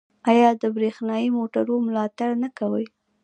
آیا د بریښنايي موټرو ملاتړ نه کوي؟